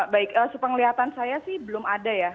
baik sepenglihatan saya sih belum ada ya